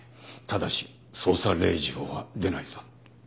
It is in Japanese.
ただし捜査令状は出ないぞ。